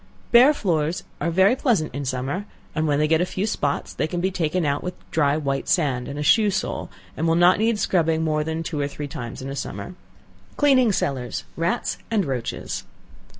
Bare floors are very pleasant in summer, and when they get a few spots, they can be taken out with dry white sand, and a shoe sole, and will not need scrubbing more than two or three times in a summer. Cleaning Cellars Rats, Roaches.